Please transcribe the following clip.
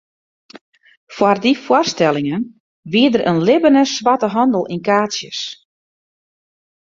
Foar dy foarstellingen wie der in libbene swarte handel yn kaartsjes.